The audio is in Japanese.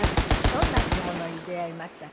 どんな着物に出会いましたか？